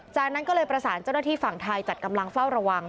จากนั้นก็เลยประสานเจ้าหน้าที่ฝั่งไทยจัดกำลังเฝ้าระวัง